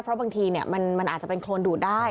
เพราะบางทีมันอาจจะเป็นโครนดูดได้